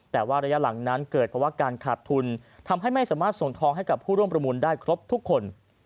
แต่ว่าระยะหลังนั้นเกิดภาวะการขาดทุนทำให้ไม่สามารถส่งทองให้กับผู้ร่วมประมูลได้ครบทุกคน